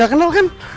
gak kenal kan